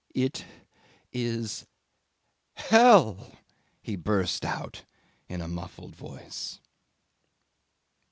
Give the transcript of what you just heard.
"It is hell," he burst out in a muffled voice.